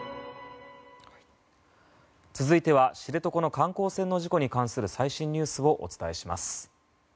続いては知床の観光船の事故に関する最新ニュースをお伝えします。